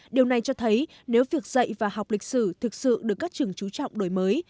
điều này cho thấy nếu việc dạy và học lịch sử thực sự được các trường trú trọng đổi mới